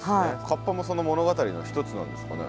カッパもその物語の一つなんですかね？